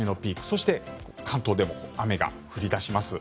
そして関東でも雨が降り出します。